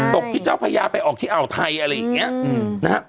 ตกที่เจ้าพญาไปออกที่เอาไทยอืมอะไรเงี้ยอืมนะฮะ